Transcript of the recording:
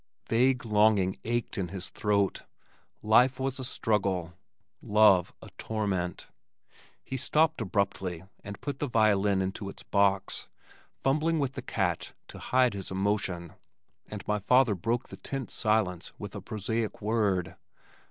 Vague longing ached in his throat. Life was a struggle, love a torment. He stopped abruptly, and put the violin into its box, fumbling with the catch to hide his emotion and my father broke the tense silence with a prosaic word.